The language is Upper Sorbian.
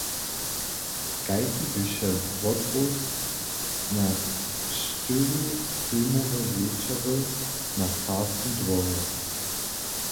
Kajki běše wothłós na štyri filmowe wječory na farskim dworje?